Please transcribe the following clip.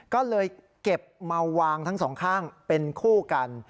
ก็เลยเก็บมาวางทั้งสองข้างเป็นคู่กัน